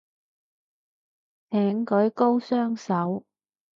請舉高雙手